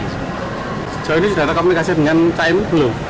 jauh ini sudah ada komunikasi dengan caimin belum